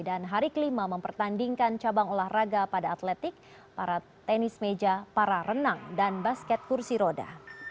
dan hari kelima mempertandingkan cabang olahraga pada atletik para tenis meja para renang dan basket kursi roda